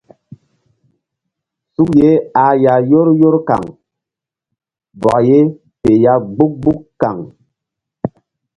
Suk ye ah ya yor yor kaŋ bɔk ye peh ya mgbuk mgbuk yaŋ.